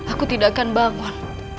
aku tidak akan bangun